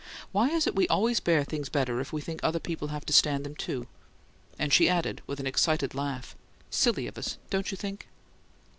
Why is it we always bear things better if we think other people have to stand them, too?" And she added, with an excited laugh: "SILLY of us, don't you think?"